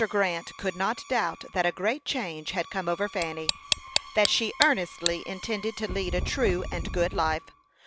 Grant could not doubt that a great change had come over Fanny; that she earnestly intended to lead a true and good life.